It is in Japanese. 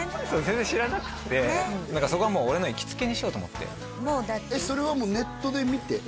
全然知らなくて何かそこはもう俺の行きつけにしようと思ってもうだってそれはネットで見て？